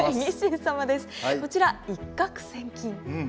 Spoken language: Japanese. こちら「一獲千金」。